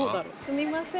すみません